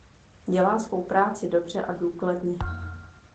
Dělá svou práci dobře a důkladně.